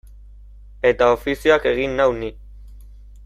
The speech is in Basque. Eta ofizioak egin nau ni.